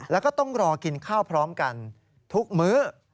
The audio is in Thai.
แล้วก็ต้องรอกินข้าวพร้อมกันทุกมื้อ